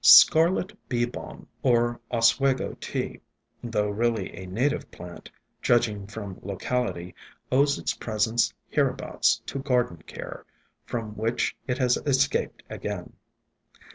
Scarlet Bee Balm, or Oswego Tea, though really a native plant, judging from locality, owes its pres ence hereabouts to garden care, from which it has escaped again.